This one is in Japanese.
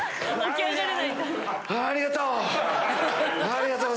ありがとう！